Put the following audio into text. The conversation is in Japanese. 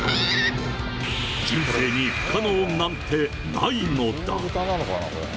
人生に不可能なんてないのだ。